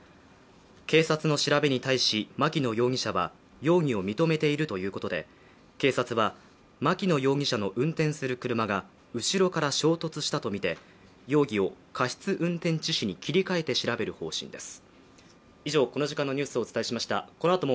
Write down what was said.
警察の調べに対し牧野容疑者は、容疑を認めているということで警察は牧野容疑者の運転する車が後ろから衝突したとみて容疑を過失運転致死に切り替えて調べる方針です。